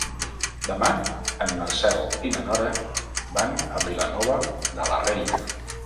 Demà en Marcel i na Nora van a Vilanova de la Reina.